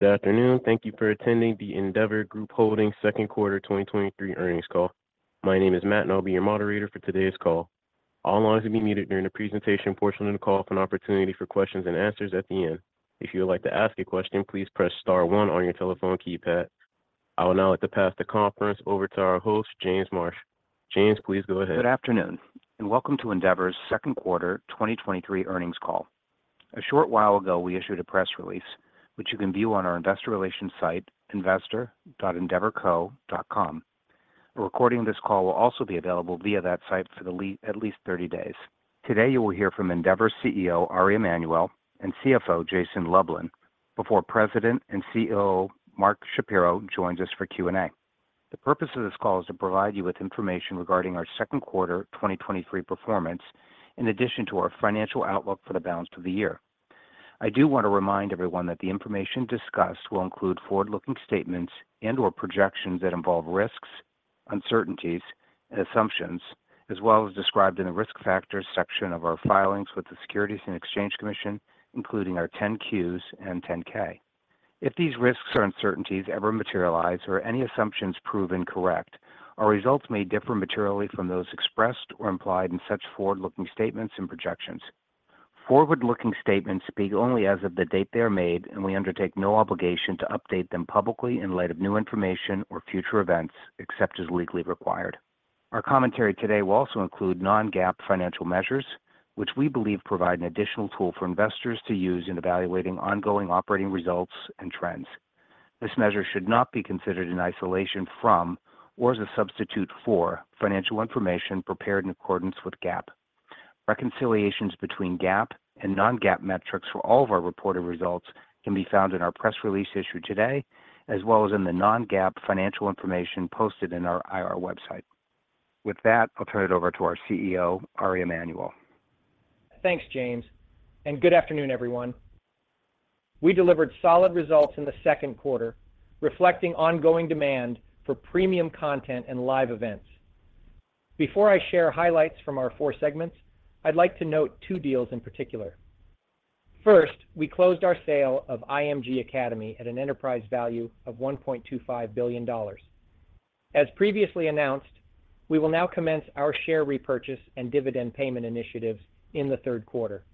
Good afternoon. Thank you for attending the Endeavor Group Holdings second quarter 2023 earnings call. My name is Matt, and I'll be your moderator for today's call. All lines will be muted during the presentation portion of the call with an opportunity for questions and answers at the end. If you would like to ask a question, please press star one on your telephone keypad. I would now like to pass the conference over to our host, James Marsh. James, please go ahead. Good afternoon, welcome to Endeavor's second quarter 2023 earnings call. A short while ago, we issued a press release, which you can view on our investor relations site, investor.endeavorco.com. A recording of this call will also be available via that site for at least 30 days. Today, you will hear from Endeavor's CEO, Ari Emanuel, and CFO, Jason Lublin, before President and COO, Mark Shapiro, joins us for Q&A. The purpose of this call is to provide you with information regarding our second quarter 2023 performance, in addition to our financial outlook for the balance of the year. I do want to remind everyone that the information discussed will include forward-looking statements and/or projections that involve risks, uncertainties, and assumptions, as well as described in the Risk Factors section of our filings with the Securities and Exchange Commission, including our 10-Qs and 10-K. If these risks or uncertainties ever materialize or any assumptions proven correct, our results may differ materially from those expressed or implied in such forward-looking statements and projections. Forward-looking statements speak only as of the date they are made, and we undertake no obligation to update them publicly in light of new information or future events, except as legally required. Our commentary today will also include non-GAAP financial measures, which we believe provide an additional tool for investors to use in evaluating ongoing operating results and trends. This measure should not be considered in isolation from or as a substitute for financial information prepared in accordance with GAAP. Reconciliations between GAAP and non-GAAP metrics for all of our reported results can be found in our press release issued today, as well as in the non-GAAP financial information posted in our IR website. With that, I'll turn it over to our CEO, Ari Emanuel. Thanks, James. Good afternoon, everyone. We delivered solid results in the second quarter, reflecting ongoing demand for premium content and live events. Before I share highlights from our four segments, I'd like to note two deals in particular. First, we closed our sale of IMG Academy at an enterprise value of $1.25 billion. As previously announced, we will now commence our share repurchase and dividend payment initiatives in the third quarter.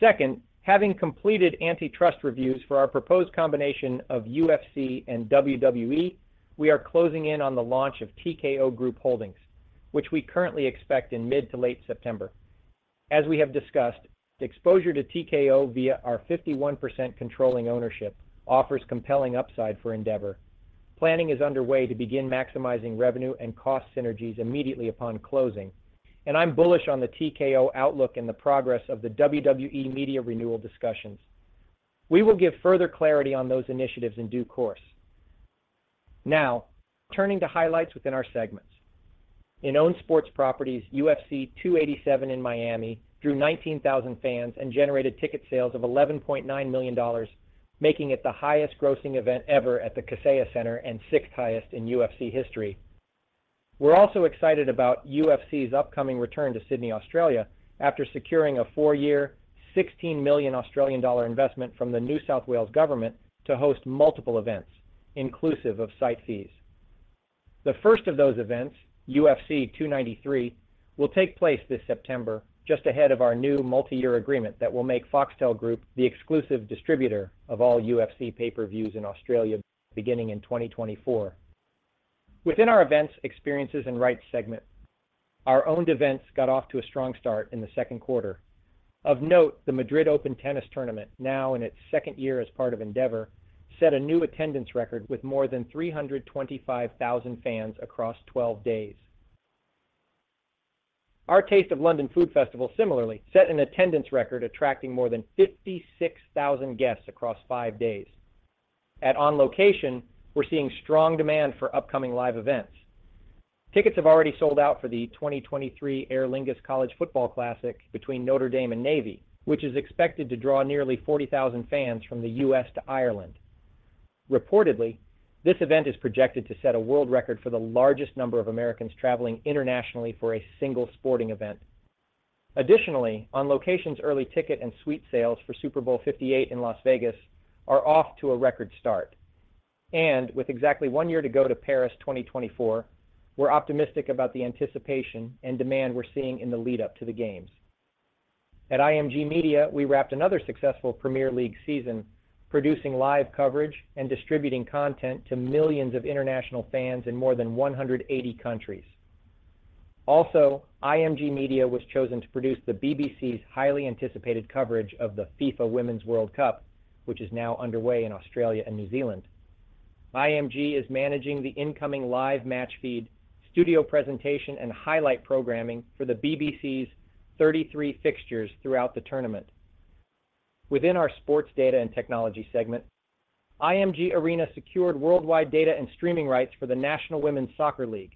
Second, having completed antitrust reviews for our proposed combination of UFC and WWE, we are closing in on the launch of TKO Group Holdings, which we currently expect in mid to late September. As we have discussed, the exposure to TKO via our 51% controlling ownership offers compelling upside for Endeavor. Planning is underway to begin maximizing revenue and cost synergies immediately upon closing, and I'm bullish on the TKO outlook and the progress of the WWE media renewal discussions. We will give further clarity on those initiatives in due course. Now, turning to highlights within our segments. In Owned Sports Properties, UFC 287 in Miami drew 19,000 fans and generated ticket sales of $11.9 million, making it the highest grossing event ever at the Kaseya Center and sixth highest in UFC history. We're also excited about UFC's upcoming return to Sydney, Australia, after securing a four-year, 16 million Australian dollar investment from the New South Wales Government to host multiple events, inclusive of site fees. The first of those events, UFC 293, will take place this September, just ahead of our new multi-year agreement that will make Foxtel Group the exclusive distributor of all UFC pay-per-views in Australia, beginning in 2024. Within our Events, Experiences & Rights segment, our owned events got off to a strong start in the second quarter. Of note, the Madrid Open tennis tournament, now in its second year as part of Endeavor, set a new attendance record with more than 325,000 fans across 12 days. Our Taste of London Food Festival similarly set an attendance record, attracting more than 56,000 guests across five days. At On Location, we're seeing strong demand for upcoming live events. Tickets have already sold out for the 2023 Aer Lingus College Football Classic between Notre Dame and Navy, which is expected to draw nearly 40,000 fans from the US to Ireland. Reportedly, this event is projected to set a world record for the largest number of Americans traveling internationally for a single sporting event. Additionally, On Location's early ticket and suite sales for Super Bowl LVIII in Las Vegas are off to a record start. With exactly one year to go to Paris 2024 Paris 2024 Olympic Games, we're optimistic about the anticipation and demand we're seeing in the lead up to the games. At IMG Media, we wrapped another successful Premier League season, producing live coverage and distributing content to millions of international fans in more than 180 countries. Also, IMG Media was chosen to produce the BBC highly anticipated coverage of the FIFA Women's World Cup, which is now underway in Australia and New Zealand. IMG is managing the incoming live match feed, studio presentation, and highlight programming for the BBC 33 fixtures throughout the tournament. Within our Sports Data and Technology segment, IMG Arena secured worldwide data and streaming rights for the National Women's Soccer League.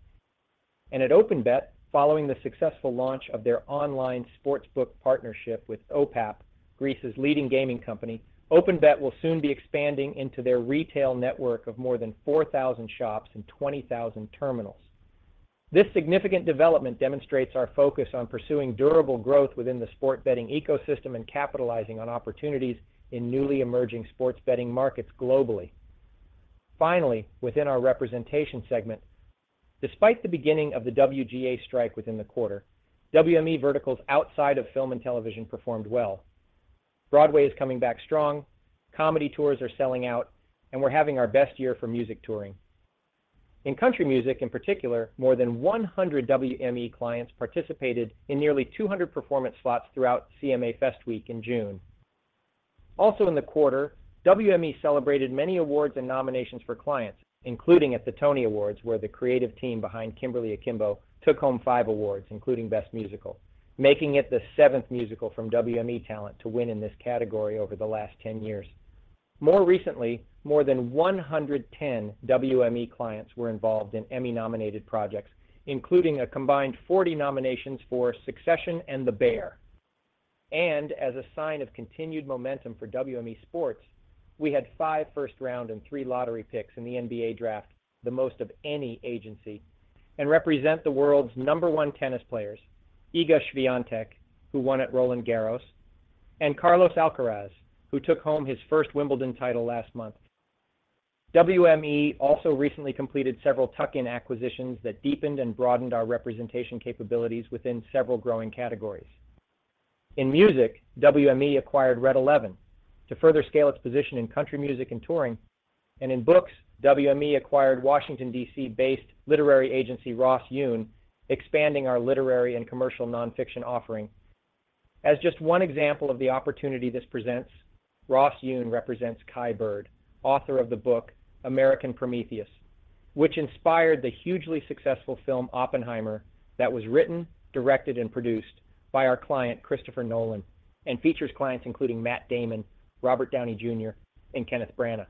At OpenBet, following the successful launch of their online sportsbook partnership with OPAP, Greece's leading gaming company, OpenBet will soon be expanding into their retail network of more than 4,000 shops and 20,000 terminals. This significant development demonstrates our focus on pursuing durable growth within the sport betting ecosystem and capitalizing on opportunities in newly emerging sports betting markets globally. Finally, within our representation segment, despite the beginning of the WGA Strike within the quarter, WME verticals outside of film and television performed well. Broadway is coming back strong, comedy tours are selling out, we're having our best year for music touring. In country music, in particular, more than 100 WME clients participated in nearly 200 performance slots throughout CMA Fest week in June. Also in the quarter, WME celebrated many awards and nominations for clients, including at the Tony Awards, where the creative team behind Kimberly Akimbo took home FIVE awards, including Best Musical, making it the seventh musical from WME Talent to win in this category over the last 10 years. More recently, more than 110 WME clients were involved in Emmy-nominated projects, including a combined 40 nominations for Succession and The Bear. As a sign of continued momentum for WME Sports, we had 5 first-round and 3 lottery picks in the NBA Draft, the most of any agency, and represent the world's number one tennis players, Iga Swiatek, who won at Roland-Garros, and Carlos Alcaraz, who took home his first Wimbledon title last month. WME also recently completed several tuck-in acquisitions that deepened and broadened our representation capabilities within several growing categories. In music, WME acquired Red 11 Music to further scale its position in country music and touring, and in books, WME acquired Washington, D.C.-based literary agency, Ross Yoon, expanding our literary and commercial nonfiction offering. As just one example of the opportunity this presents, Ross Yoon represents Kai Bird, author of the book, American Prometheus, which inspired the hugely successful film, Oppenheimer, that was written, directed, and produced by our client, Christopher Nolan, and features clients including Matt Damon, Robert Downey Jr., and Kenneth Branagh.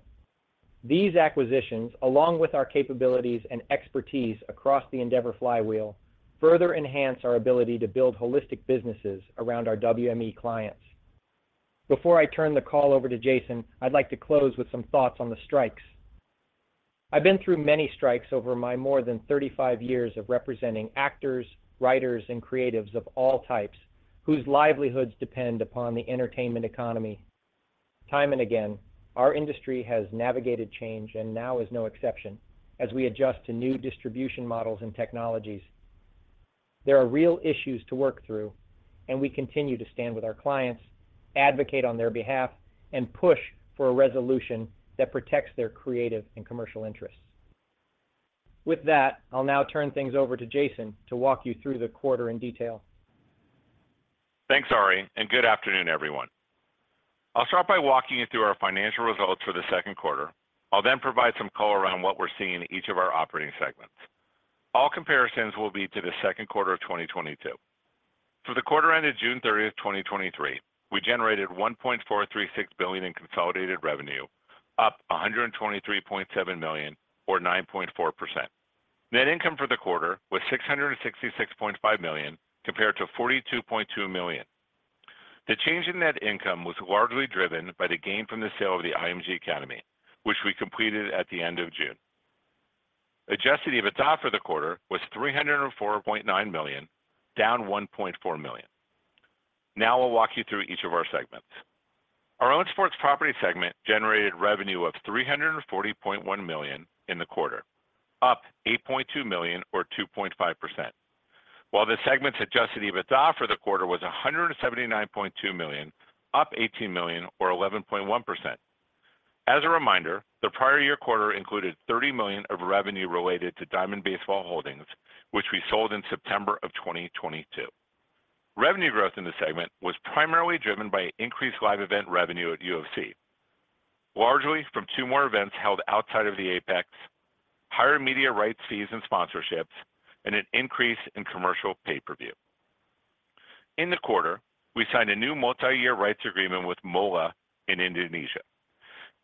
These acquisitions, along with our capabilities and expertise across the Endeavor flywheel, further enhance our ability to build holistic businesses around our WME clients. Before I turn the call over to Jason, I'd like to close with some thoughts on the strikes. I've been through many strikes over my more than 35 years of representing actors, writers, and creatives of all types whose livelihoods depend upon the entertainment economy. Time and again, our industry has navigated change, and now is no exception, as we adjust to new distribution models and technologies. There are real issues to work through, and we continue to stand with our clients, advocate on their behalf, and push for a resolution that protects their creative and commercial interests. With that, I'll now turn things over to Jason to walk you through the quarter in detail. Thanks, Ari. Good afternoon, everyone. I'll start by walking you through our financial results for the second quarter. I'll provide some color around what we're seeing in each of our operating segments. All comparisons will be to the second quarter of 2022. For the quarter ended June 30th, 2023, we generated $1.436 billion in consolidated revenue, up $123.7 million or 9.4%. Net income for the quarter was $666.5 million, compared to $42.2 million. The change in net income was largely driven by the gain from the sale of the IMG Academy, which we completed at the end of June. Adjusted EBITDA for the quarter was $304.9 million, down $1.4 million. Now I'll walk you through each of our segments. Our Owned Sports Properties segment generated revenue of $340.1 million in the quarter, up $8.2 million or 2.5%. While the segment's Adjusted EBITDA for the quarter was $179.2 million, up $18 million or 11.1%. As a reminder, the prior year quarter included $30 million of revenue related to Diamond Baseball Holdings, which we sold in September of 2022. Revenue growth in the segment was primarily driven by increased live event revenue at UFC, largely from two more events held outside of the Apex, higher media rights, fees, and sponsorships, and an increase in commercial pay-per-view. In the quarter, we signed a new multi-year rights agreement with Mola in Indonesia.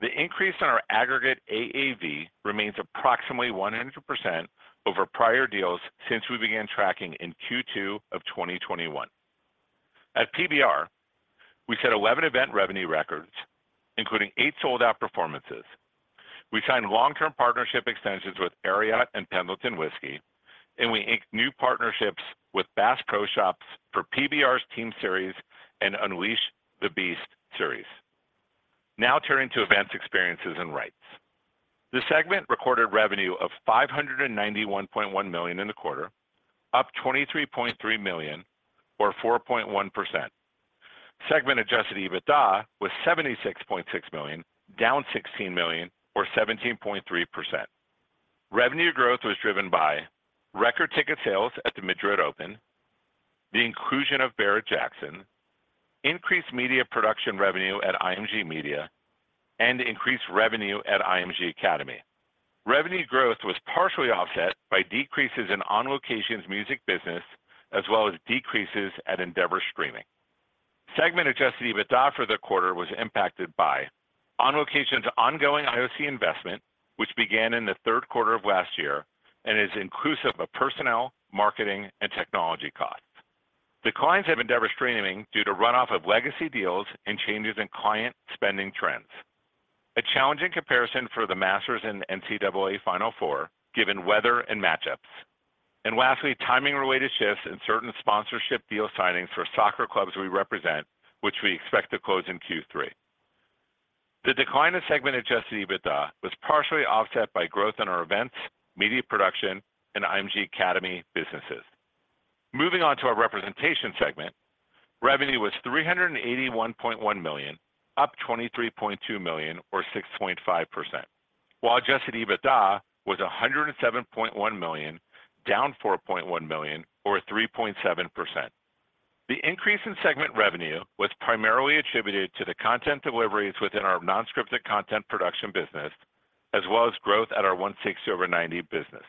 The increase in our aggregate AAV remains approximately 100% over prior deals since we began tracking in Q2 of 2021. At PBR, we set 11 event revenue records, including 8 sold-out performances. We signed long-term partnership extensions with Ariat and Pendleton Whisky, we inked new partnerships with Bass Pro Shops for PBR's Team Series and Unleash The Beast series. Turning to Events, Experiences & Rights. The segment recorded revenue of $591.1 million in the quarter, up $23.3 million, or 4.1%. Segment adjusted EBITDA was $76.6 million, down $16 million, or 17.3%. Revenue growth was driven by record ticket sales at the Madrid Open, the inclusion of Barrett-Jackson, increased media production revenue at IMG Media, and increased revenue at IMG Academy. Revenue growth was partially offset by decreases in On Location's music business, as well as decreases at Endeavor Streaming. Segment adjusted EBITDA for the quarter was impacted by On Location's ongoing IOC investment, which began in the third quarter of last year and is inclusive of personnel, marketing, and technology costs, declines of Endeavor Streaming due to runoff of legacy deals and changes in client spending trends. A challenging comparison for The Masters and the NCAA Final Four, given weather and matchups. Lastly, timing-related shifts in certain sponsorship deal signings for soccer clubs we represent, which we expect to close in Q3. The decline in segment adjusted EBITDA was partially offset by growth in our events, media production, and IMG Academy businesses. Moving on to our representation segment, revenue was $381.1 million, up $23.2 million, or 6.5%, while Adjusted EBITDA was $107.1 million, down $4.1 million, or 3.7%. The increase in segment revenue was primarily attributed to the content deliveries within our non-scripted content production business, as well as growth at our 160/90 business.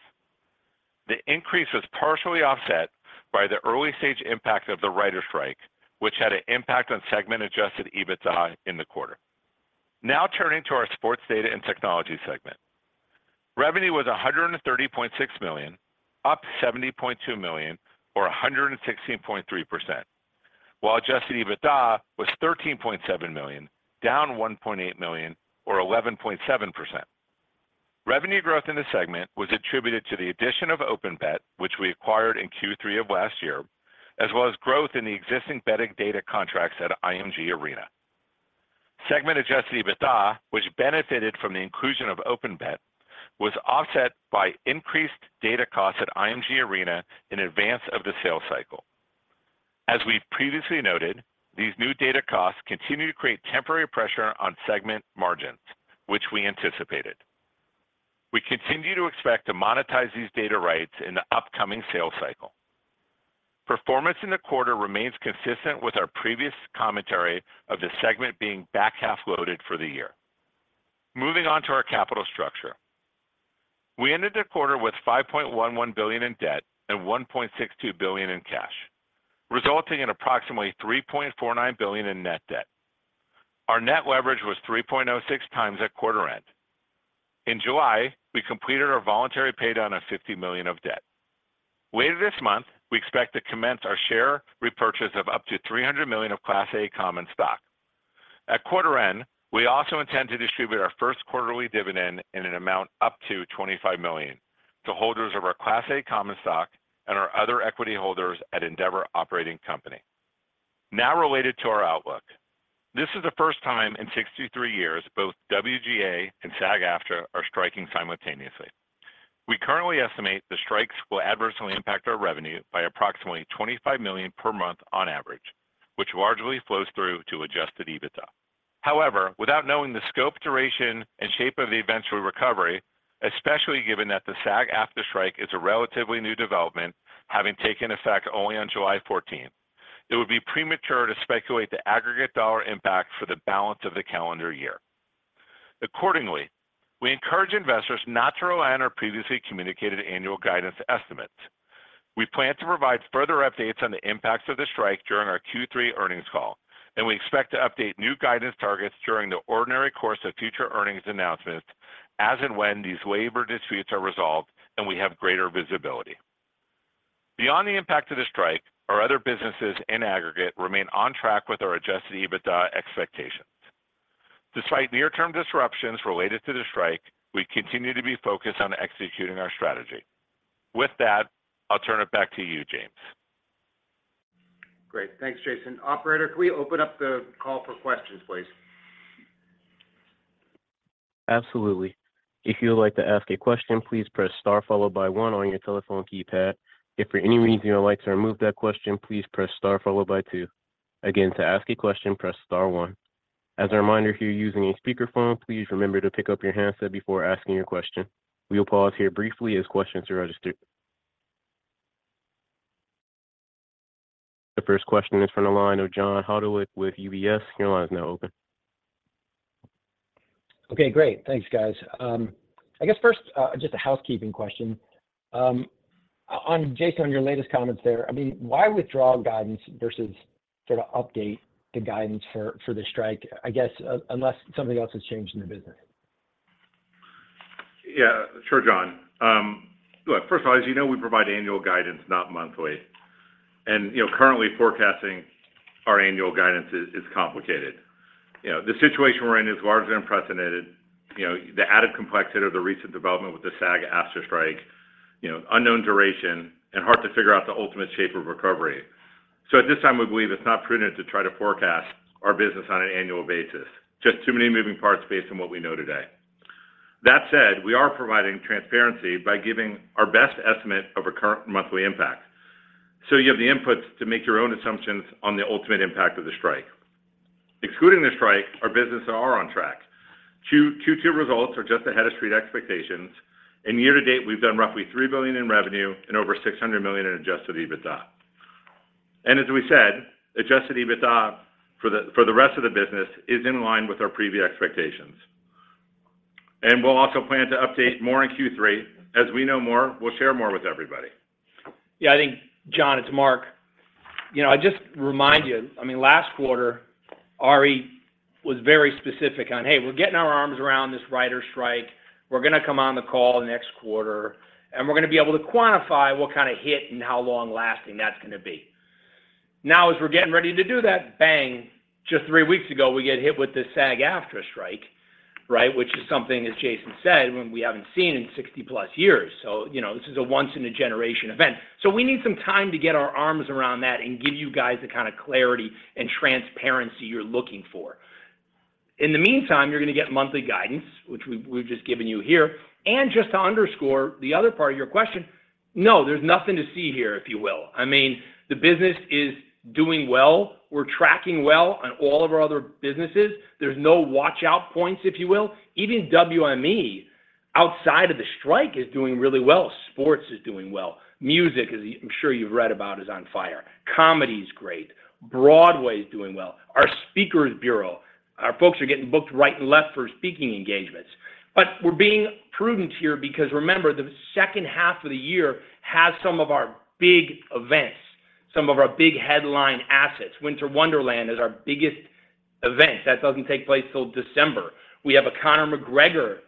The increase was partially offset by the early-stage impact of WGA Strike, which had an impact on segment Adjusted EBITDA in the quarter. Turning to our Sports Data & Technology segment. Revenue was $130.6 million, up $70.2 million, or 116.3%, while Adjusted EBITDA was $13.7 million, down $1.8 million, or 11.7%. Revenue growth in this segment was attributed to the addition of OpenBet, which we acquired in Q3 of last year, as well as growth in the existing betting data contracts at IMG Arena. Segment adjusted EBITDA, which benefited from the inclusion of OpenBet, was offset by increased data costs at IMG Arena in advance of the sales cycle. As we've previously noted, these new data costs continue to create temporary pressure on segment margins, which we anticipated. We continue to expect to monetize these data rights in the upcoming sales cycle. Performance in the quarter remains consistent with our previous commentary of the segment being back-half loaded for the year. Moving on to our capital structure. We ended the quarter with $5.11 billion in debt and $1.62 billion in cash, resulting in approximately $3.49 billion in net debt. Our net leverage was 3.06 times at quarter end. In July, we completed our voluntary pay down of $50 million of debt. Later this month, we expect to commence our share repurchase of up to $300 million of Class A Common Stock. At quarter end, we also intend to distribute our first quarterly dividend in an amount up to $25 million to holders of our Class A Common Stock and our other equity holders at Endeavor Operating Company. Now, related to our outlook. This is the first time in 63 years both WGA and SAG-AFTRA are striking simultaneously. We currently estimate the strikes will adversely impact our revenue by approximately $25 million per month on average, which largely flows through to Adjusted EBITDA. Without knowing the scope, duration, and shape of the eventual recovery, especially given that the SAG-AFTRA Strike is a relatively new development, having taken effect only on July 14th, it would be premature to speculate the aggregate $ impact for the balance of the calendar year. We encourage investors not to rely on our previously communicated annual guidance estimates. We plan to provide further updates on the impacts of the strike during our Q3 earnings call. We expect to update new guidance targets during the ordinary course of future earnings announcements as and when these labor disputes are resolved and we have greater visibility. Beyond the impact of the strike, our other businesses in aggregate remain on track with our adjusted EBITDA expectations. Despite near-term disruptions related to the strike, we continue to be focused on executing our strategy. With that, I'll turn it back to you, James. Great. Thanks, Jason. Operator, can we open up the call for questions, please? Absolutely. If you would like to ask a question, please press star followed by one on your telephone keypad. If for any reason you would like to remove that question, please press star followed by two. Again, to ask a question, press star one. As a reminder, if you're using a speakerphone, please remember to pick up your handset before asking your question. We will pause here briefly as questions are registered. The first question is from the line of John Hodulik with UBS. Your line is now open. Okay, great. Thanks, guys. I guess first, just a housekeeping question. On Jason, on your latest comments there, I mean, why withdraw guidance versus sort of update the guidance for, for the strike? I guess, unless something else has changed in the business? Yeah, sure, John. Look, first of all, as you know, we provide annual guidance, not monthly. You know, currently forecasting our annual guidance is complicated. You know, the situation we're in is largely unprecedented. You know, the added complexity of the recent development with the SAG-AFTRA Strike, you know, unknown duration and hard to figure out the ultimate shape of recovery. At this time, we believe it's not prudent to try to forecast our business on an annual basis. Just too many moving parts based on what we know today. That said, we are providing transparency by giving our best estimate of a current monthly impact, so you have the inputs to make your own assumptions on the ultimate impact of the strike. Excluding the strike, our business are on track. Q2, Q2 results are just ahead of street expectations, and year to date, we've done roughly $3 billion in revenue and over $600 million in Adjusted EBITDA. As we said, Adjusted EBITDA for the rest of the business is in line with our previous expectations. We'll also plan to update more in Q3. As we know more, we'll share more with everybody. Yeah, I think John, it's Mark. You know, I just remind you, I mean, last quarter, Ari-... was very specific on, "Hey, we're getting our arms around this WGA Strike. We're gonna come on the call next quarter, and we're gonna be able to quantify what kind of hit and how long-lasting that's gonna be." Now, as we're getting ready to do that, bang! Just three weeks ago, we get hit with this SAG-AFTRA Strike, right? Which is something, as Jason said, when we haven't seen in 60+ years. you know, this is a once-in-a-generation event. We need some time to get our arms around that and give you guys the kind of clarity and transparency you're looking for. In the meantime, you're gonna get monthly guidance, which we've just given you here. Just to underscore the other part of your question, no, there's nothing to see here, if you will. I mean, the business is doing well. We're tracking well on all of our other businesses. There's no watch-out points, if you will. Even WME, outside of the strike, is doing really well. Sports is doing well. Music, as I'm sure you've read about, is on fire. Comedy's great. Broadway is doing well. Our speakers bureau, our folks are getting booked right and left for speaking engagements. We're being prudent here because remember, the second half of the year has some of our big events, some of our big headline assets. Winter Wonderland is our biggest event. That doesn't take place till December. We have a Conor McGregor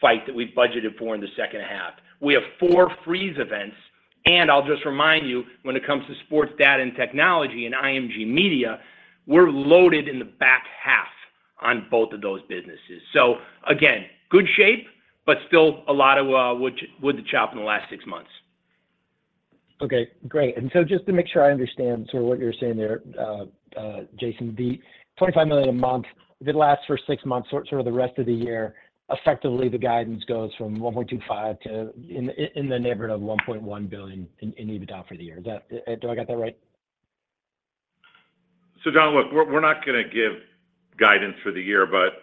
fight that we've budgeted for in the second half. We have 4 Frieze events, and I'll just remind you, when it comes to Sports Data & Technology and IMG Media, we're loaded in the back half on both of those businesses. Again, good shape, but still a lot of wood to chop in the last six months. Okay, great. Just to make sure I understand sort of what you're saying there, Jason, the $25 million a month, if it lasts for six months, or sort of the rest of the year, effectively, the guidance goes from $1.25 billion to in the neighborhood of $1.1 billion in EBITDA for the year. Is that... Do I get that right? John, look, we're, we're not gonna give guidance for the year, but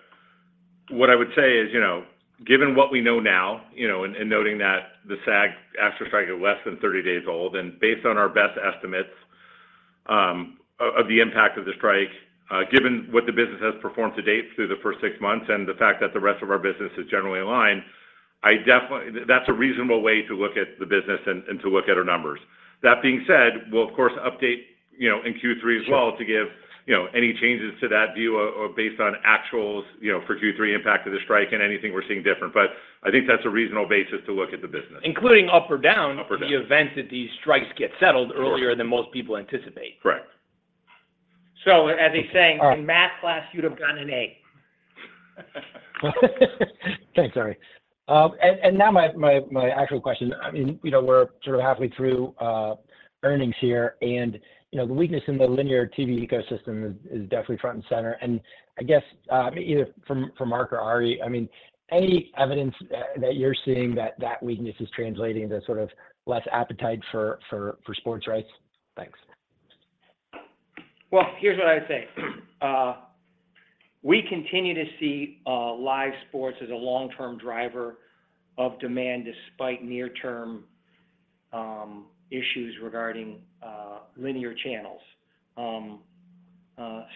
what I would say is, you know, given what we know now, you know, and, and noting that the SAG-AFTRA Strike is less than 30 days old, and based on our best estimates of the impact of the strike, given what the business has performed to date through the first 6 months and the fact that the rest of our business is generally aligned, I definitely- that's a reasonable way to look at the business and, and to look at our numbers. That being said, we'll, of course, update, you know, in Q3 as well. Sure... to give, you know, any changes to that view or, or based on actuals, you know, for Q3 impact of the strike and anything we're seeing different. I think that's a reasonable basis to look at the business. Including up or down- Up or down? ...in the event that these strikes get settled earlier. Sure than most people anticipate. Correct. As they say. All right.... in math class, you'd have gotten an A. Thanks, Ari. Now my, my, my actual question, I mean, you know, we're sort of halfway through earnings here, and, you know, the weakness in the linear TV ecosystem is, is definitely front and center. I guess, either from, from Mark or Ari, I mean, any evidence that you're seeing that that weakness is translating to sort of less appetite for, for, for sports rights? Thanks. Well, here's what I'd say: we continue to see live sports as a long-term driver of demand, despite near-term issues regarding linear channels.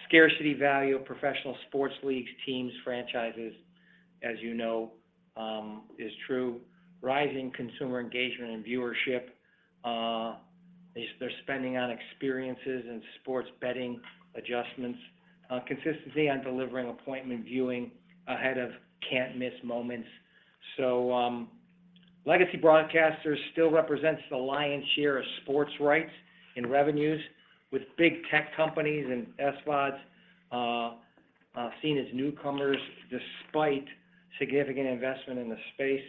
Scarcity value of professional sports leagues, teams, franchises, as you know, is true. Rising consumer engagement and viewership, they're spending on experiences and sports betting adjustments, consistency on delivering appointment viewing ahead of can't-miss moments. Legacy broadcasters still represents the lion's share of sports rights in revenues, with big tech companies and SVODs seen as newcomers, despite significant investment in the space.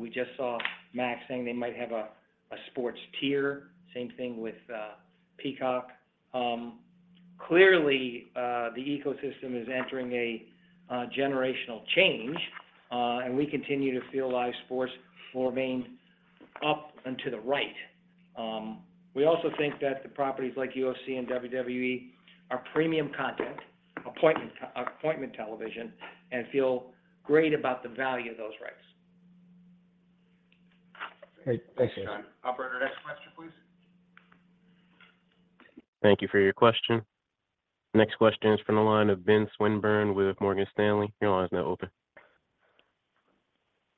We just saw Max saying they might have a, a sports tier. Same thing with Peacock. Clearly, the ecosystem is entering a generational change, we continue to feel live sports forming up and to the right. We also think that the properties like UFC and WWE are premium content, appointment television, and feel great about the value of those rights. Great. Thank you. Operator, next question, please. Thank you for your question. Next question is from the line of Ben Swinburne with Morgan Stanley. Your line is now open.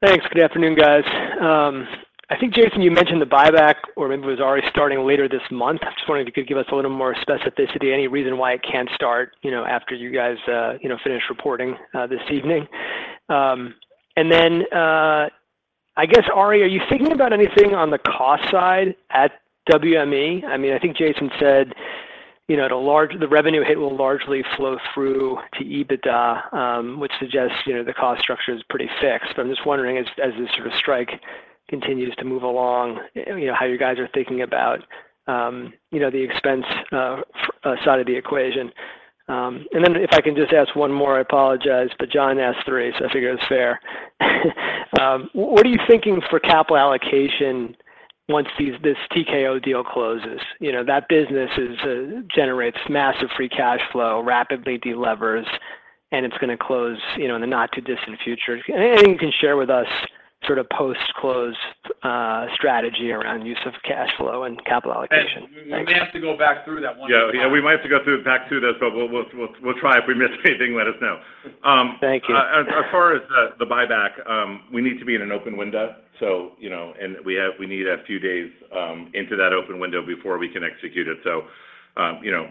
Thanks. Good afternoon, guys. I think, Jason, you mentioned the buyback, or maybe it was already starting later this month. Just wondering if you could give us a little more specificity, any reason why it can't start, you know, after you guys, you know, finish reporting, this evening? I guess, Ari, are you thinking about anything on the cost side at WME? I mean, I think Jason said, you know, the revenue hit will largely flow through to EBITDA, which suggests, you know, the cost structure is pretty fixed. But I'm just wondering as, as this sort of strike continues to move along, you know, how you guys are thinking about, you know, the expense side of the equation. If I can just ask one more, I apologize, but John asked three, so I figure it's fair. What are you thinking for capital allocation once this TKO deal closes? You know, that business is, generates massive free cash flow, rapidly delevers, and it's gonna close, you know, in the not-too-distant future. Anything you can share with us sort of post-close, strategy around use of cash flow and capital allocation? Ben- Thanks. We may have to go back through that one. Yeah. Yeah, we might have to go back through this, but we'll, we'll, we'll, we'll try. If we miss anything, let us know. Thank you. As far as the, the buyback, we need to be in an open window, so, you know. We need a few days into that open window before we can execute it. You know,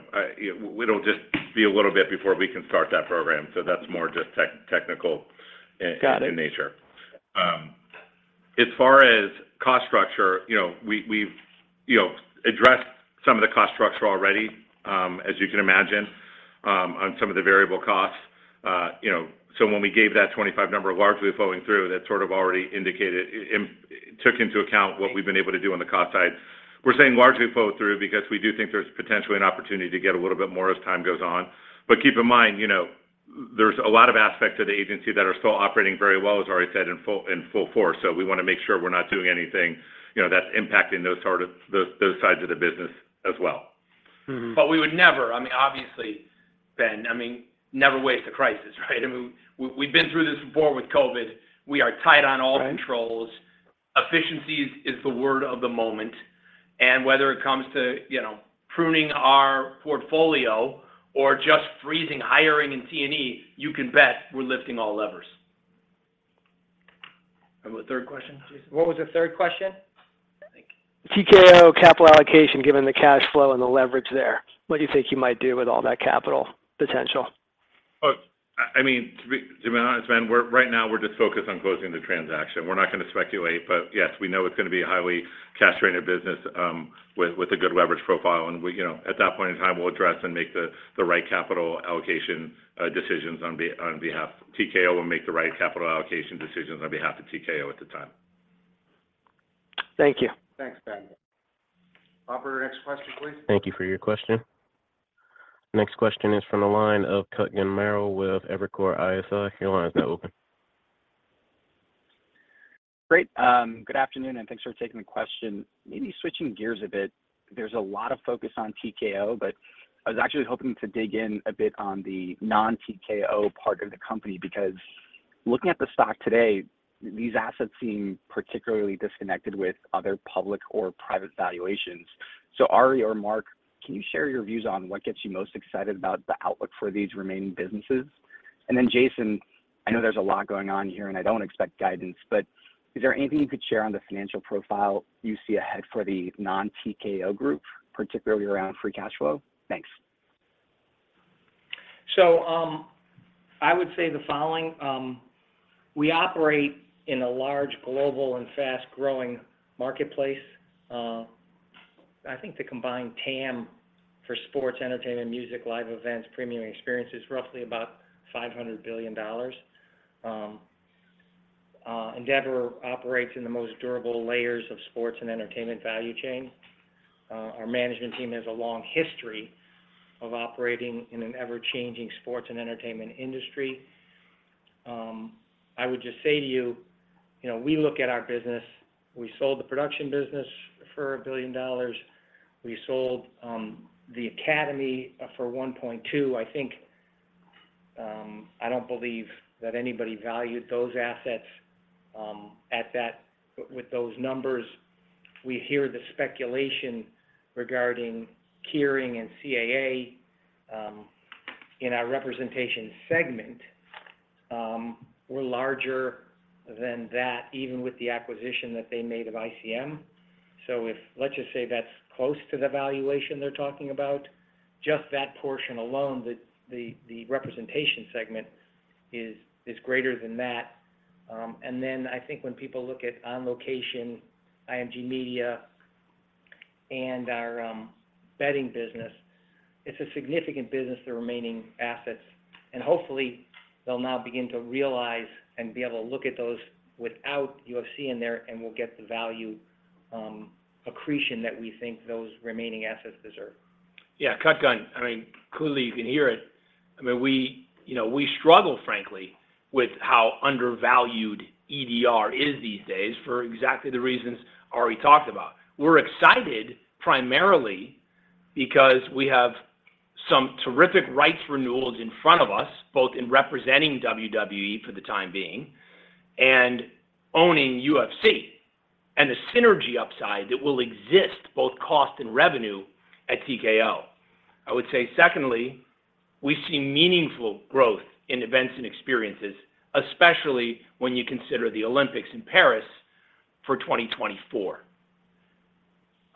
we don't just be a little bit before we can start that program, so that's more just tech- technical in- Got it. nature. As far as cost structure, you know, we, we've, you know, addressed some of the cost structure already, as you can imagine, on some of the variable costs. You know, so when we gave that 25 number largely flowing through, that sort of already indicated, it, it, took into account what we've been able to do on the cost side. We're saying largely flow through because we do think there's potentially an opportunity to get a little bit more as time goes on. But keep in mind, you know, there's a lot of aspects of the agency that are still operating very well, as Ari said, in full, in full force. So we want to make sure we're not doing anything, you know, that's impacting those sort of, those, those sides of the business as well. Mm-hmm. We would never, I mean, obviously, Ben, I mean, never waste a crisis, right? I mean, we've been through this before with COVID. We are tight on all controls. Right. Efficiencies is the word of the moment, and whether it comes to, you know, pruning our portfolio or just freezing hiring and T&E, you can bet we're lifting all levers. The third question, Jason? What was the third question? TKO capital allocation, given the cash flow and the leverage there, what do you think you might do with all that capital potential? Oh, I, I mean, to be, to be honest, Ben, we're right now we're just focused on closing the transaction. We're not going to speculate, but yes, we know it's going to be a highly cash-rated business, with, with a good leverage profile. We, you know, at that point in time, we'll address and make the, the right capital allocation decisions TKO will make the right capital allocation decisions on behalf of TKO at the time. Thank you. Thanks, Ben. Operator, next question, please. Thank you for your question. Next question is from the line of Kutgun Maral with Evercore ISI. Your line is now open. Great. Good afternoon, thanks for taking the question. Maybe switching gears a bit, there's a lot of focus on TKO, but I was actually hoping to dig in a bit on the non-TKO part of the company, because looking at the stock today, these assets seem particularly disconnected with other public or private valuations. Ari or Mark, can you share your views on what gets you most excited about the outlook for these remaining businesses? Then, Jason, I know there's a lot going on here, and I don't expect guidance, but is there anything you could share on the financial profile you see ahead for the non-TKO group, particularly around free cash flow? Thanks. I would say the following: we operate in a large, global, and fast-growing marketplace. I think the combined TAM for sports, entertainment, music, live events, premium experience is roughly about $500 billion. Endeavor operates in the most durable layers of sports and entertainment value chain. Our management team has a long history of operating in an ever-changing sports and entertainment industry. I would just say to you, you know, we look at our business. We sold the production business for $1 billion. We sold the Academy for $1.2. I think, I don't believe that anybody valued those assets, with those numbers. We hear the speculation regarding Kering and CAA, in our representation segment. We're larger than that, even with the acquisition that they made of ICM. If-- let's just say that's close to the valuation they're talking about, just that portion alone, the, the, the representation segment is, is greater than that. Then I think when people look at On Location, IMG Media, and our betting business, it's a significant business, the remaining assets. Hopefully, they'll now begin to realize and be able to look at those without UFC in there, and we'll get the value accretion that we think those remaining assets deserve. Yeah, Kutgun Maral, I mean, clearly, you can hear it. I mean, we, you know, we struggle, frankly, with how undervalued EDR is these days for exactly the reasons Ari Emanuel talked about. We're excited primarily because we have some terrific rights renewals in front of us, both in representing WWE for the time being and owning UFC, and the synergy upside that will exist, both cost and revenue, at TKO. I would say secondly, we see meaningful growth in events and experiences, especially when you consider the Olympics in Paris for 2024.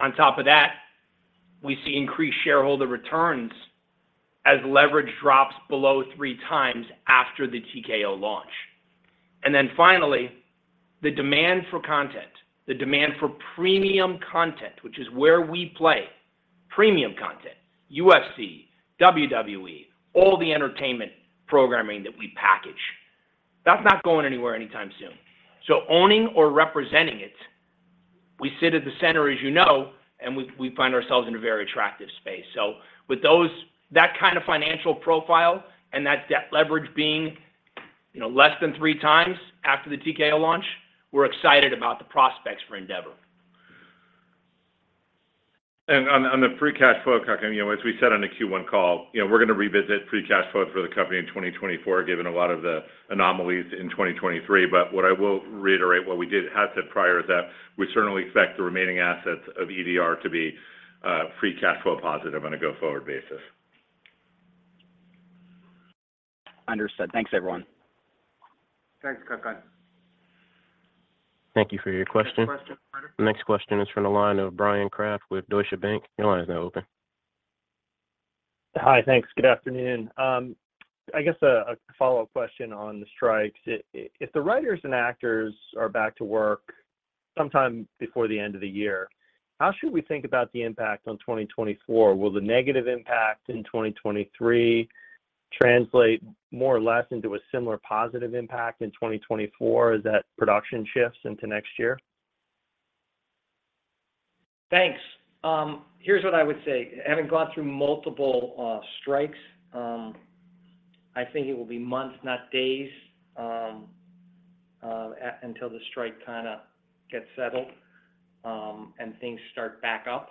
On top of that, we see increased shareholder returns as leverage drops below 3x after the TKO launch. Finally, the demand for content, the demand for premium content, which is where we play, premium content, UFC, WWE, all the entertainment programming that we package, that's not going anywhere anytime soon. Owning or representing it, we sit at the center, as you know, and we, we find ourselves in a very attractive space. That kind of financial profile and that debt leverage being, you know, less than 3 times after the TKO launch, we're excited about the prospects for Endeavor. On the, on the free cash flow, Kutgun, you know, as we said on the Q1 call, you know, we're going to revisit free cash flow for the company in 2024, given a lot of the anomalies in 2023. What I will reiterate, what we did had said prior to that, we certainly expect the remaining assets of EDR to be free cash flow positive on a go-forward basis. Understood. Thanks, everyone. Thanks, Kutgun. Thank you for your question. Next question. Next question is from the line of Bryan Kraft with Deutsche Bank. Your line is now open. Hi, thanks. Good afternoon. I guess a follow-up question on the strikes. If the writers and actors are back to work sometime before the end of the year, how should we think about the impact on 2024? Will the negative impact in 2023 translate more or less into a similar positive impact in 2024 as that production shifts into next year? Thanks. Here's what I would say. Having gone through multiple strikes, I think it will be months, not days, until the strike kind of gets settled and things start back up.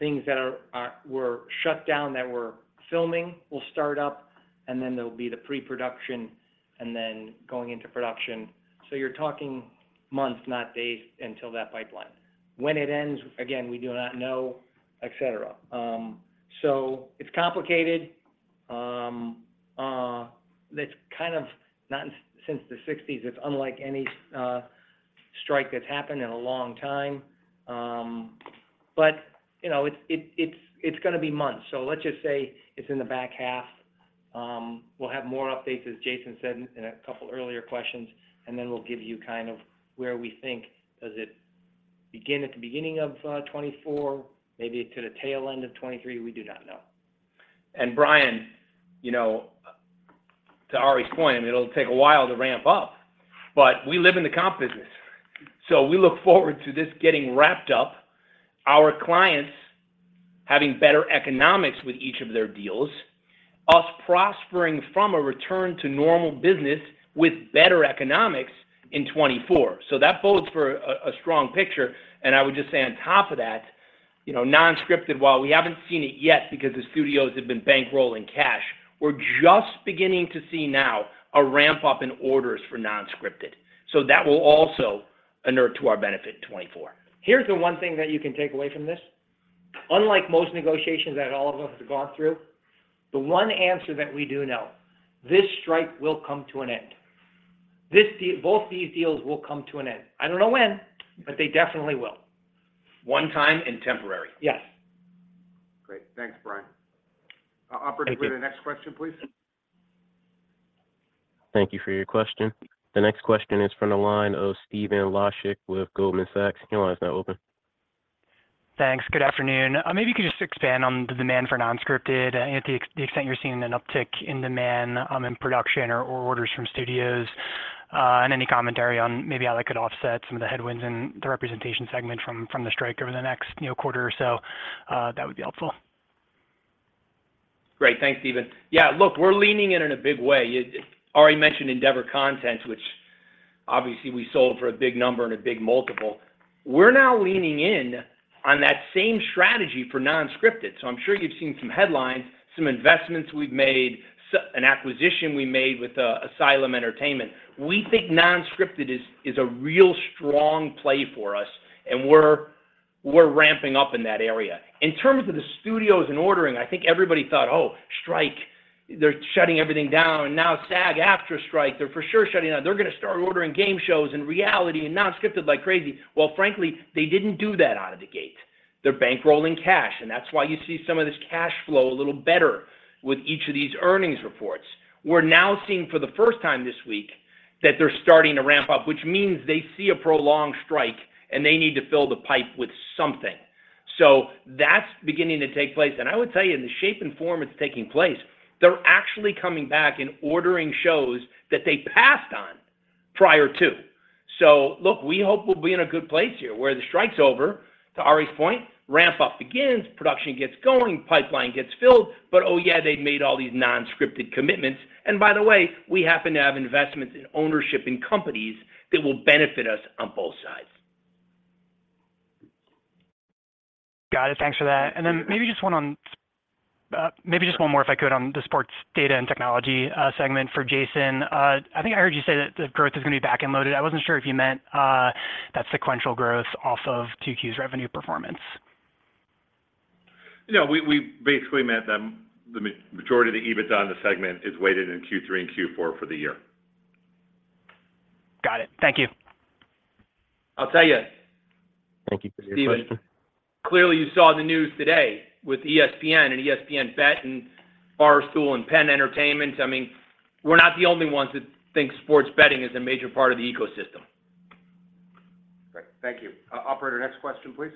Things that were shut down that were filming will start up, and then there'll be the pre-production, and then going into production. You're talking months, not days, until that pipeline. When it ends, again, we do not know, et cetera. It's complicated. It's kind of not since the '60s, it's unlike any strike that's happened in a long time. You know, it's gonna be months. Let's just say it's in the back half. We'll have more updates, as Jason said in a couple earlier questions, and then we'll give you kind of where we think. Does it begin at the beginning of 2024? Maybe to the tail end of 2023? We do not know. Bryan, you know, to Ari's point, it'll take a while to ramp up, but we live in the comp business. We look forward to this getting wrapped up, our clients having better economics with each of their deals, us prospering from a return to normal business with better economics in 2024. That bodes for a, a strong picture, and I would just say on top of that, you know, non-scripted, while we haven't seen it yet because the studios have been bankrolling cash, we're just beginning to see now a ramp-up in orders for non-scripted. That will also inert to our benefit in 2024. Here's the one thing that you can take away from this: Unlike most negotiations that all of us have gone through, the one answer that we do know, this strike will come to an end. Both these deals will come to an end. I don't know when, they definitely will. One time and temporary. Yes. Great. Thanks, Bryan. Thank you. Operator, the next question, please. Thank you for your question. The next question is from the line of Stephen Laszczyk with Goldman Sachs. Your line is now open. Thanks. Good afternoon. Maybe you could just expand on the demand for non-scripted and to the extent you're seeing an uptick in demand, in production or, or orders from studios. Any commentary on maybe how that could offset some of the headwinds in the representation segment from, from the strike over the next, you know, quarter or so, that would be helpful. Great. Thanks, Stephen. Yeah, look, we're leaning in in a big way. Ari mentioned Endeavor Content, which obviously we sold for a big number and a big multiple. We're now leaning in on that same strategy for non-scripted. I'm sure you've seen some headlines, some investments we've made, an acquisition we made with Asylum Entertainment. We think non-scripted is, is a real strong play for us, and we're, we're ramping up in that area. In terms of the studios and ordering, I think everybody thought, "Oh, strike, they're shutting everything down, and now SAG-AFTRA Strike, they're for sure shutting down. They're gonna start ordering game shows and reality and non-scripted like crazy." Well, frankly, they didn't do that out of the gate. They're bankrolling cash, and that's why you see some of this cash flow a little better with each of these earnings reports. We're now seeing, for the first time this week, that they're starting to ramp up, which means they see a prolonged strike, and they need to fill the pipe with something. That's beginning to take place. I would tell you, in the shape and form it's taking place, they're actually coming back and ordering shows that they passed on prior to. Look, we hope we'll be in a good place here, where the strike's over, to Ari's point, ramp-up begins, production gets going, pipeline gets filled, but, oh, yeah, they've made all these non-scripted commitments. By the way, we happen to have investments in ownership in companies that will benefit us on both sides. Got it. Thanks for that. Maybe just one on, maybe just one more, if I could, on the Sports Data & Technology segment for Jason. I think I heard you say that the growth is gonna be back-end loaded. I wasn't sure if you meant that sequential growth off of 2Q's revenue performance. No, we, we basically meant that the majority of the EBITDA in the segment is weighted in Q3 and Q4 for the year. Got it. Thank you. I'll tell you- Thank you for your question. Steven, clearly, you saw the news today with ESPN and ESPN Bet and Barstool and PENN Entertainment. I mean, we're not the only ones that think sports betting is a major part of the ecosystem. Great. Thank you. Operator, next question, please.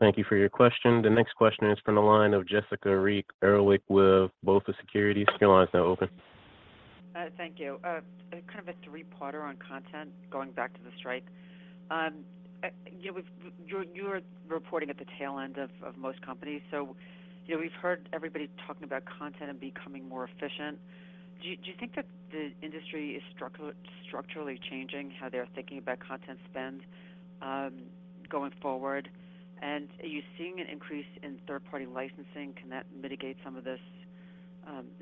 Thank you for your question. The next question is from the line of Jessica Reif Ehrlich with BofA Securities. Your line is now open. Thank you. Kind of a 3-parter on content, going back to the strike. You were reporting at the tail end of most companies. You know, we've heard everybody talking about content and becoming more efficient. Do you think that the industry is structurally changing, how they're thinking about content spend, going forward? Are you seeing an increase in third-party licensing? Can that mitigate some of this,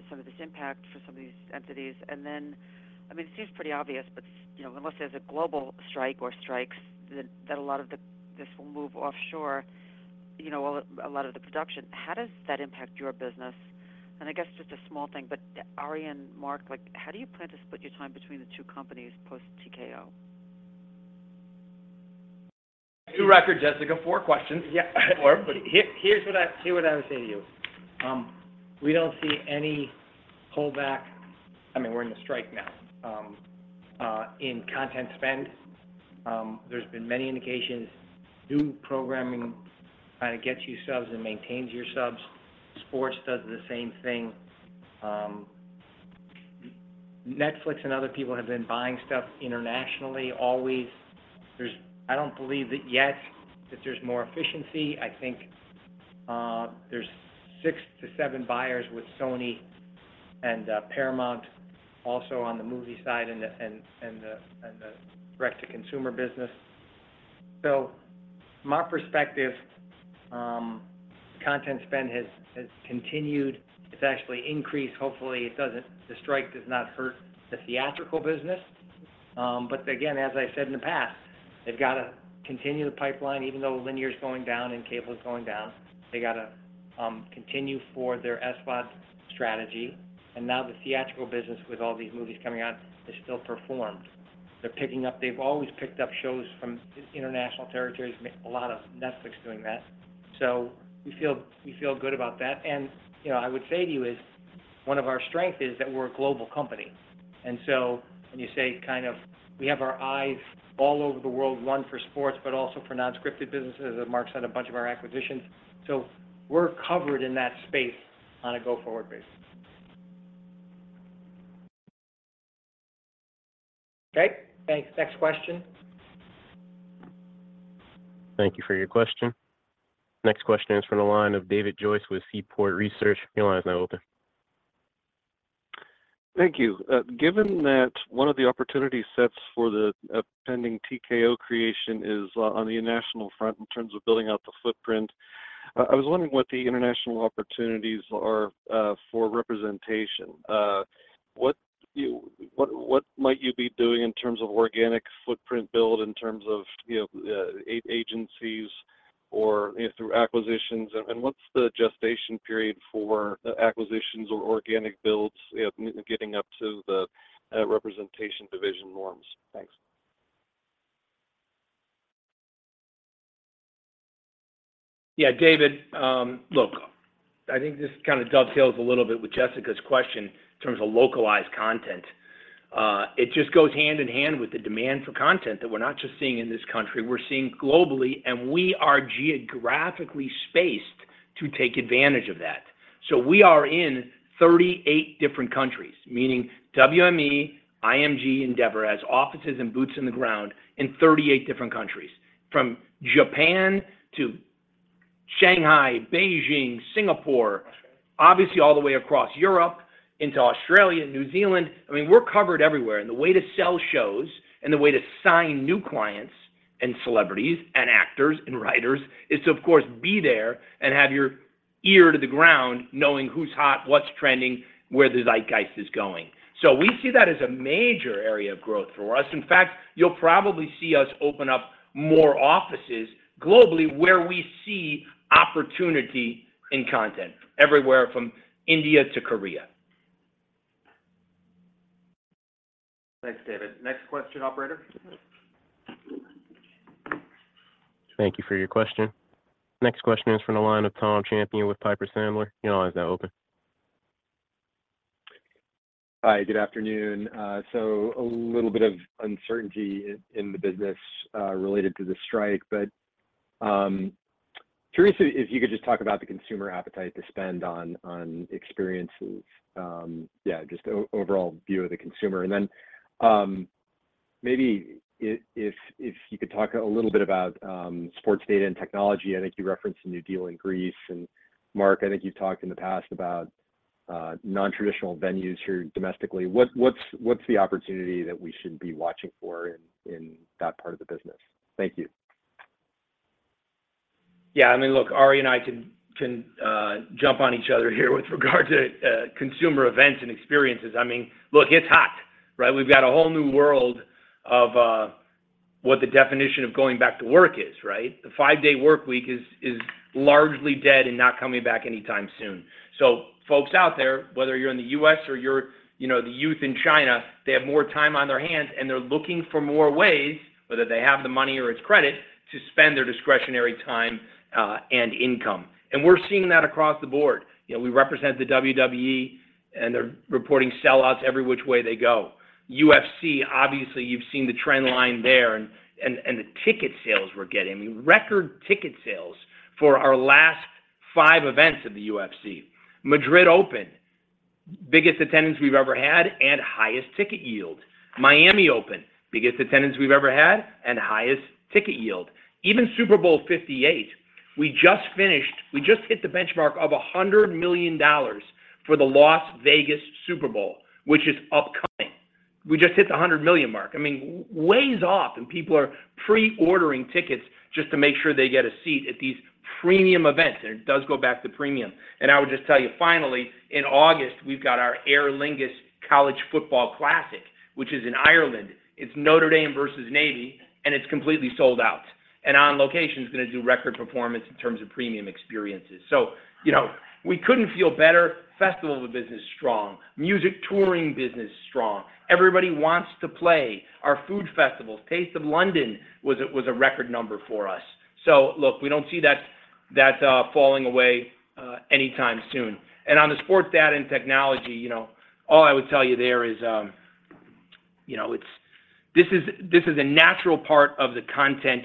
some of this impact for some of these entities? Then, I mean, it seems pretty obvious, but, you know, unless there's a global strike or strikes, that a lot of this will move offshore, you know, a lot of the production. How does that impact your business? I guess just a small thing, Ari and Mark, like, how do you plan to split your time between the two companies post-TKO? New record, Jessica, 4 questions. Yeah. Or- Here's what I would say to you. We don't see any pullback, I mean, we're in a strike now, in content spend. There's been many indications, new programming kind of gets you subs and maintains your subs. Sports does the same thing. Netflix and other people have been buying stuff internationally, always. I don't believe that yet, that there's more efficiency. I think there's six to seven buyers with Sony and Paramount also on the movie side and the direct-to-consumer business. From my perspective, content spend has continued. It's actually increased. Hopefully, it doesn't the strike does not hurt the theatrical business. Again, as I said in the past, they've got to continue the pipeline, even though linear is going down and cable is going down. They gotta continue for their SVOD strategy, and now the theatrical business with all these movies coming out, they still perform. They're picking up. They've always picked up shows from international territories, a lot of Netflix doing that. We feel, we feel good about that. You know, I would say to you is, one of our strengths is that we're a global company, and so when you say kind of, we have our eyes all over the world, one, for sports, but also for non-scripted businesses, as Mark said, a bunch of our acquisitions. We're covered in that space on a go-forward basis. Great. Thanks. Next question. Thank you for your question. Next question is from the line of David Joyce with Seaport Research. Your line is now open. Thank you. Given that one of the opportunity sets for the pending TKO creation is on the international front in terms of building out the footprint, I, I was wondering what the international opportunities are for representation. What might you be doing in terms of organic footprint build, in terms of, you know, agencies or, you know, through acquisitions? What's the gestation period for acquisitions or organic builds getting up to the representation division norms? Thanks. Yeah, David, look, I think this kind of dovetails a little bit with Jessica's question in terms of localized content. It just goes hand in hand with the demand for content that we're not just seeing in this country, we're seeing globally, and we are geographically spaced to take advantage of that. We are in 38 different countries, meaning WME, IMG, Endeavor has offices and boots on the ground in 38 different countries. From Japan to Shanghai, Beijing, Singapore, obviously all the way across Europe into Australia, New Zealand. I mean, we're covered everywhere, and the way to sell shows and the way to sign new clients, and celebrities, and actors, and writers is to, of course, be there and have your ear to the ground, knowing who's hot, what's trending, where the zeitgeist is going. We see that as a major area of growth for us. In fact, you'll probably see us open up more offices globally, where we see opportunity in content, everywhere from India to Korea. Thanks, David. Next question, operator. Thank you for your question. Next question is from the line of Tom Champion with Piper Sandler. Your line is now open. Hi, good afternoon. A little bit of uncertainty in the business related to the strike, curious if you could just talk about the consumer appetite to spend on experiences. Yeah, just overall view of the consumer. Maybe if you could talk a little bit about Sports Data & Technology. I think you referenced a new deal in Greece. Mark, I think you've talked in the past about non-traditional venues here domestically. What, what's, what's the opportunity that we should be watching for in that part of the business? Thank you. Yeah, I mean, look, Ari and I can, can jump on each other here with regard to consumer events and experiences. I mean, look, it's hot, right? We've got a whole new world of what the definition of going back to work is, right? The five-day work week is, is largely dead and not coming back anytime soon. Folks out there, whether you're in the U.S. or you're, you know, the youth in China, they have more time on their hands, and they're looking for more ways, whether they have the money or it's credit, to spend their discretionary time and income. We're seeing that across the board. You know, we represent the WWE, and they're reporting sellouts every which way they go. UFC, obviously, you've seen the trend line there and the ticket sales we're getting. I mean, record ticket sales for our last five events of the UFC. Madrid Open, biggest attendance we've ever had and highest ticket yield. Miami Open, biggest attendance we've ever had and highest ticket yield. Even Super Bowl LVIII, we just hit the benchmark of $100 million for the Las Vegas Super Bowl, which is upcoming. We just hit the $100 million mark. I mean, ways off, and people are pre-ordering tickets just to make sure they get a seat at these premium events, and it does go back to premium. I would just tell you, finally, in August, we've got our Aer Lingus College Football Classic, which is in Ireland. It's Notre Dame versus Navy, and it's completely sold out. On Location is going to do record performance in terms of premium experiences. You know, we couldn't feel better. Festival business is strong, music touring business is strong. Everybody wants to play. Our food festivals, Taste of London, was a record number for us. Look, we don't see that, that falling away anytime soon. On the Sports Data & Technology, you know, all I would tell you there is, you know, this is, this is a natural part of the content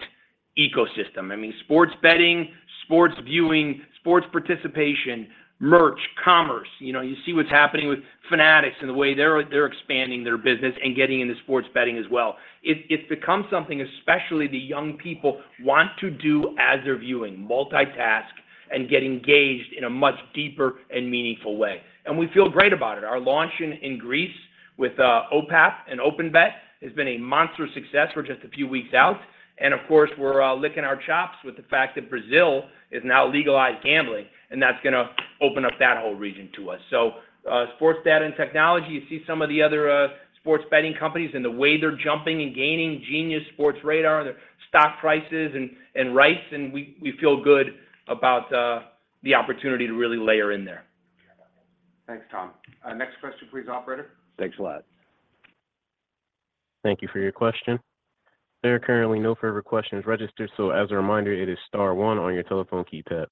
ecosystem. I mean, sports betting, sports viewing, sports participation, merch, commerce. You know, you see what's happening with Fanatics and the way they're expanding their business and getting into sports betting as well. It's become something, especially the young people, want to do as they're viewing, multitask and get engaged in a much deeper and meaningful way. We feel great about it. Our launching in Greece with OPAP and OpenBet has been a monster success for just a few weeks out. Of course, we're licking our chops with the fact that Brazil is now legalized gambling, and that's going to open up that whole region to us. Sports data and technology, you see some of the other sports betting companies and the way they're jumping and gaining Genius Sports, Sportradar, their stock prices and rights, and we feel good about the opportunity to really layer in there. Thanks, Tom. Next question, please, operator. Thanks a lot. Thank you for your question. There are currently no further questions registered, so as a reminder, it is star one on your telephone keypad.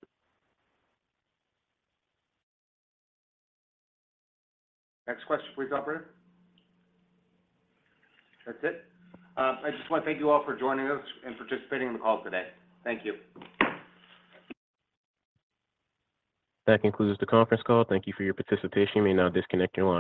Next question, please, operator? That's it. I just want to thank you all for joining us and participating in the call today. Thank you. That concludes the conference call. Thank you for your participation. You may now disconnect your line.